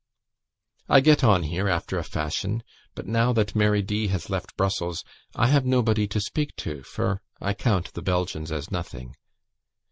"I get on here after a fashion; but now that Mary D. has left Brussels, I have nobody to speak to, for I count the Belgians as nothing.